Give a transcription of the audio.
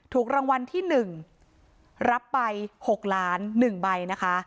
ถูกรางวัลที่หนึ่งรับไปหกล้านหนึ่งใบนะคะ